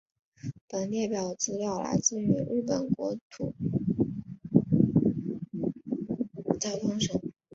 本列表资料来自于日本国国土交通省。